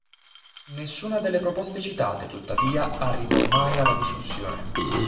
Nessuna delle proposte citate, tuttavia, arrivò mai alla discussione.